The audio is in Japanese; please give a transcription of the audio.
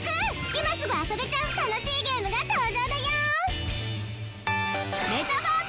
今すぐ遊べちゃう楽しいゲームが登場だよ！